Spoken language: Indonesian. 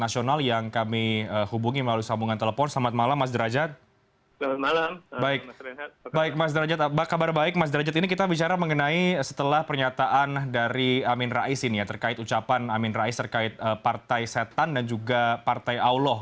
setelah pernyataan dari amin rais ini ya terkait ucapan amin rais terkait partai setan dan juga partai allah